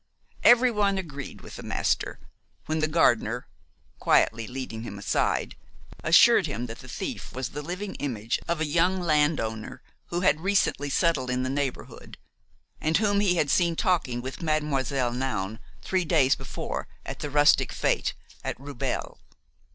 Every one agreed with the master, when the gardener, quietly leading him aside, assured him that the thief was the living image of a young land owner who had recently settled in the neighborhood, and whom he had seen talking with Mademoiselle Noun three days before at the rustic fête at Rubelles.